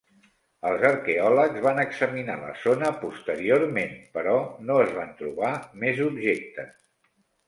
Els arqueòlegs van examinar la zona posteriorment, però no es van trobar més objectes.